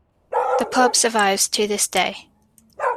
The pub survives to this day.